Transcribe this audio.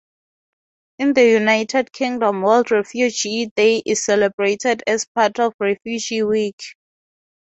In the United Kingdom World Refugee Day is celebrated as part of Refugee Week.